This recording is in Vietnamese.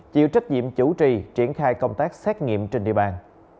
chịu trách nhiệm chủ trì triển khai công tác xét nghiệm trên địa bàn